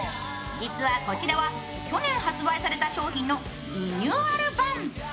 実は、こちらは去年発売された商品のリニューアル版。